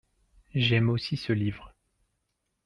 j'aime aussi ce livre.